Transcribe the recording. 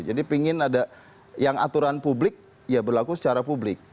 jadi pingin ada yang aturan publik ya berlaku secara publik